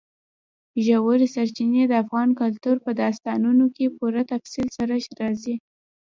ژورې سرچینې د افغان کلتور په داستانونو کې په پوره تفصیل سره راځي.